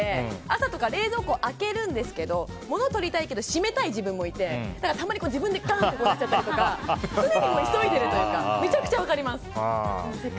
朝とか冷蔵庫を開けるんですけどものを取りたいけど閉めたい自分もいてたまに自分でガンってなっちゃったりして常に急いでいるというかめちゃくちゃ分かります。